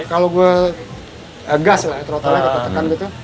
kalau gue gas lah trotelnya ketekan gitu